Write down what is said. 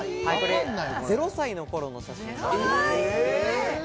０歳の頃の写真。